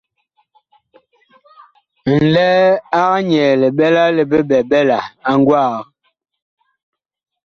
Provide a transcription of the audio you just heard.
Nlɛɛ ag nyɛɛ liɓɛla li biɓɛɓɛla a gwaag.